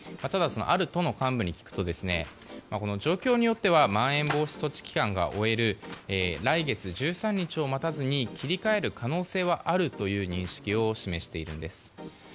ただ、ある都の幹部に聞くと状況によってはまん延防止措置期間を終える来月１３日を待たずに切り替える可能性はあるという認識を示しているんです。